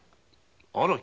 荒木？